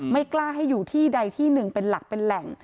ไม่กล้าให้อยู่ที่ใดที่หนึ่งเป็นหลักเป็นแหล่ง